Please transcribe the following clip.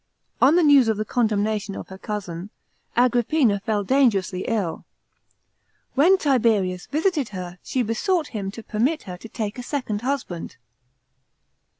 On the news of the condemnation of her cousin, Agrippina fell dangerously ill. When Tiberius visited her, she besought him to permit her to take a second husband.